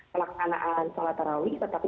pelangganaan salat terawih tetapi